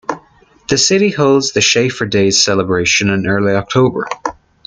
The city holds the "Shafer Days" celebration in early October.